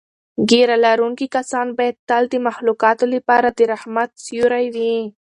ږیره لرونکي کسان باید تل د مخلوقاتو لپاره د رحمت سیوری وي.